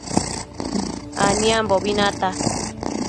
Aniambobi nata